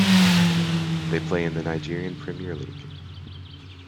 They play in the Nigerian Premier League.